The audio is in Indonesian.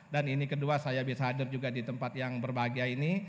dan ini kedua saya bisa hadir juga di tempat yang berbahagia ini